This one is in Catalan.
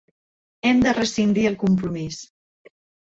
Hem de rescindir el compromís.